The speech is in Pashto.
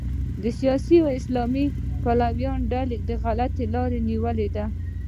د سیاسي اسلام پلویانو ډلې غلطه لاره نیولې ده.